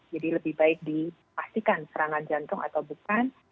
jadi lebih baik dipastikan serangan jantung atau bukan